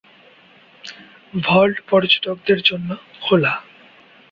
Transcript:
Vault পর্যটকদের জন্য খোলা।